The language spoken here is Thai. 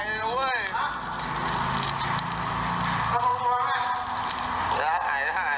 ผู้อยากเหมือนในเนี้ย